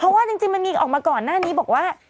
เพราะว่าจริงมันมีออกมาก่อนหน้านี้บอกว่า